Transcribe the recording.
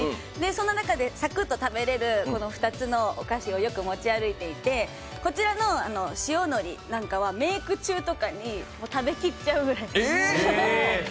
その中でサクッと食べれる、この２つのお菓子をよく持ち歩いていて、こちらの塩のりなんかはメーク中とかに食べきっちゃうくらい。